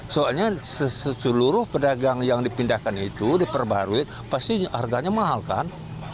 soalnya seluruh pedagang yang dipindahkan itu diperbarui pasti harganya mahal kan